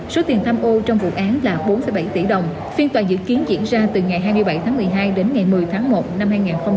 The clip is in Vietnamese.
số tiền tham ô trong vụ án là bốn bảy tỷ đồng phiên tòa dự kiến diễn ra từ ngày hai mươi bảy tháng một mươi hai đến ngày một mươi tháng một năm hai nghìn hai mươi